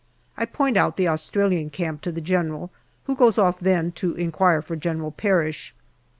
I point out the Australian camp to the General, who goes off then to inquire for General Parish.